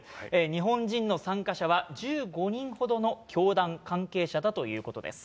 日本人の参加者は１５人ほどの教団関係者だということです。